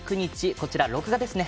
こちら、録画ですね。